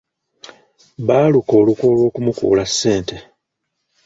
Baaluka olukwe olw'okumukuula ssente.